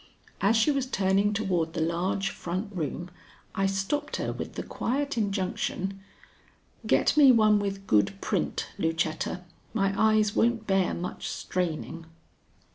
As she was turning toward the large front room I stopped her with the quiet injunction: "Get me one with good print, Lucetta. My eyes won't bear much straining."